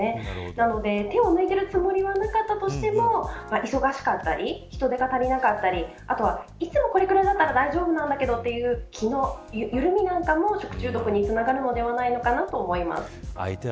なので、手を抜いているつもりはなかったとしても忙しかったり人手が足りなかったりあとは、いつもこれぐらいだったら大丈夫なんだけどという気の緩みなんかも食中毒につながるのではないかと思います。